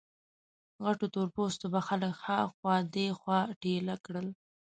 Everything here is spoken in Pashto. غټو تور پوستو به خلک ها خوا دې خوا ټېله کړل.